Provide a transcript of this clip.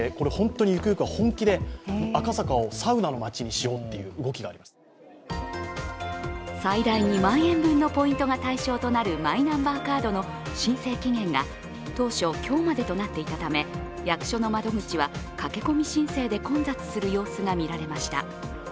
私が行ってるところを公表してしまうとあれなので最大２万円分のポイントが対象となるマイナンバーカードの申請期限が当初、今日までとなっていたため役所の窓口は駆け込み申請で混雑する様子が見られました。